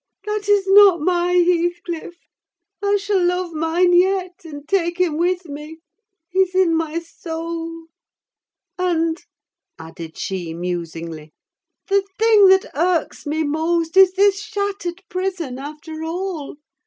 That is not my Heathcliff. I shall love mine yet; and take him with me: he's in my soul. And," added she musingly, "the thing that irks me most is this shattered prison, after all.